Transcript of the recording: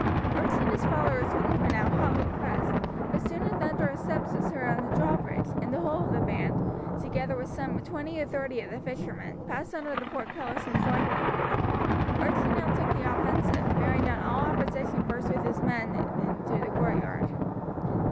Archie and his followers were now hotly pressed, but soon a thunder of steps was heard on the drawbridge, and the whole of the band, together with some twenty or thirty of the fishermen, passed under the portcullis and joined them. Archie now took the offensive, and bearing down all opposition burst with his men into the courtyard.